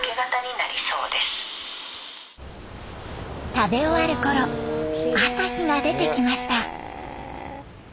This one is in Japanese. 食べ終わるころ朝日が出てきました。